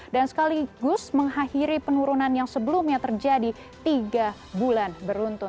dan sekaligus mengakhiri penurunan yang sebelumnya terjadi tiga bulan berluntun